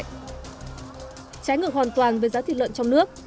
trái ngược hoàn toàn với giá thịt lợn trong nước